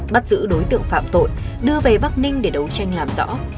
bắt giữ đối tượng phạm tội đưa về bắc ninh để đấu tranh làm rõ